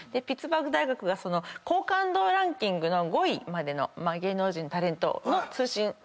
ピッツバーグ大学が好感度ランキングの５位までの芸能人タレントの通信。